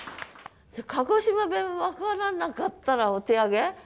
鹿児島弁分からなかったらお手上げ？